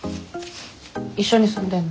一緒に住んでんの？